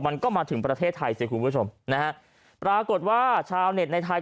มันก็มาถึงประเทศไทยสิคุณผู้ชมนะฮะปรากฏว่าชาวเน็ตในไทย